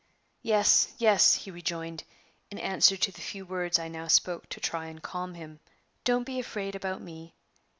"Yes, yes," he rejoined, in answer to the few words I now spoke to try and calm him, "don't be afraid about me.